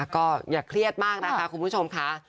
ก็อย่าเครียดมากนะคะคุณผู้ชมค่ะ